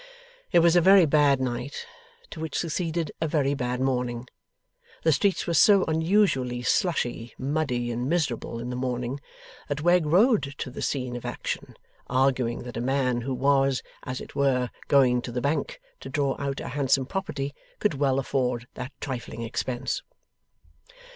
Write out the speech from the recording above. It was a very bad night; to which succeeded a very bad morning. The streets were so unusually slushy, muddy, and miserable, in the morning, that Wegg rode to the scene of action; arguing that a man who was, as it were, going to the Bank to draw out a handsome property, could well afford that trifling expense.